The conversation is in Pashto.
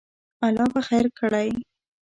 الله به خیر کړی